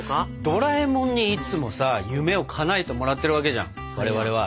ドラえもんにいつもさ夢をかなえてもらってるわけじゃん我々は。